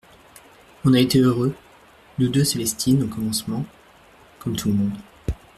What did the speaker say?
On a été heureux, nous deux Célestine, au commencement, comme tout le monde.